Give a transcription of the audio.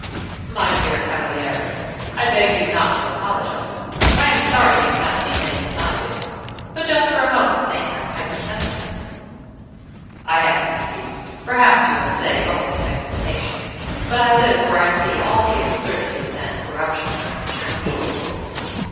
"My dear Cavaliere, I beg you not to apologize. I am sorry you cannot see things as I do; but don't for a moment think I am hypersensitive." "I have an excuse, perhaps you will say only an explanation; but I live where I see all the absurdities and corruptions of the Church."